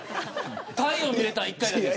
太陽見れたの１回だけ。